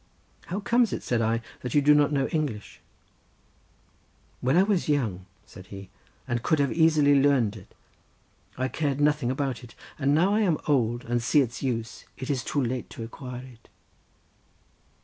"How comes it," said I, "that you do not know English?" "When I was young," said he, "and could have easily learnt it, I cared nothing about it, and now that I am old and see its use, it is too late to acquire it."